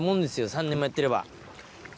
３年もやってれば。